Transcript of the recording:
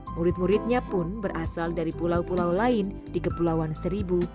murid muridnya pun berasal dari pulau pulau lain di kepulauan seribu